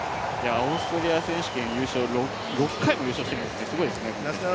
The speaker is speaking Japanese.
オーストリア選手権６回も優勝していてすごいですね。